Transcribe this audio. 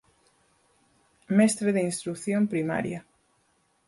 Mestre de instrución primaria.